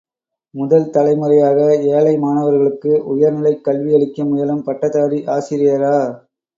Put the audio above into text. முதல் தலைமுறையாக ஏழை மாணவர்களுக்கு உயர் நிலைக் கல்வியளிக்க முயலும் பட்டதாரி ஆசிரியரா?